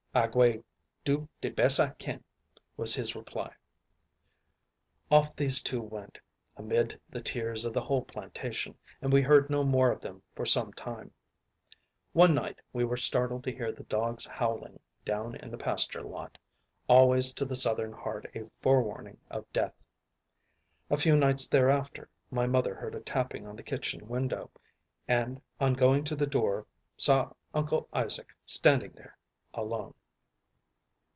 "I gwy do de bes I kin," was his reply. Off these two went, amid the tears of the whole plantation, and we heard no more of them for some time. One night we were startled to hear the dogs howling down in the pasture lot, always to the Southern heart a forewarning of death. A few nights thereafter, my mother heard a tapping on the kitchen window, and, on going to the door, saw Uncle Isaac standing there alone.